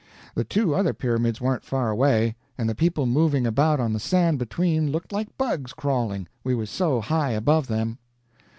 The two other pyramids warn't far away, and the people moving about on the sand between looked like bugs crawling, we was so high above them.